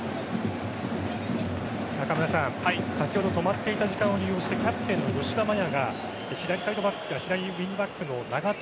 中村さん、先ほど止まっていた時間を利用してキャプテンの吉田麻也が左サイドバックから左ウイングバックの長友